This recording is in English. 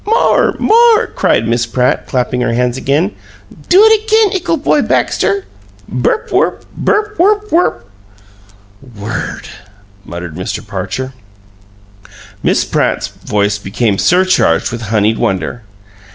"More, more!" cried Miss Pratt, clapping her hands. "Do it again, ickle boy Baxter!" "Berp werp! Berp werp werp!" "WORD!" muttered Mr. Parcher. Miss Pratt's voice became surcharged with honeyed wonder.